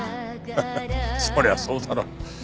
ハハッそりゃそうだろう。